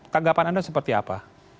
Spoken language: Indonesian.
kagapan anda seperti apa